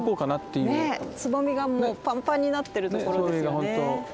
つぼみがもうパンパンになってるところですよね。